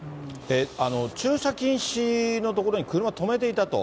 駐車禁止の所に車止めていたと。